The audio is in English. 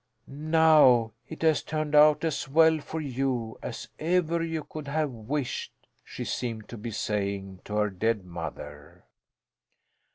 "Now it has turned out as well for you as ever you could have wished," she seemed to be saying to her dead mother.